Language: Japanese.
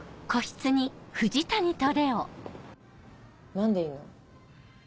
何でいんの？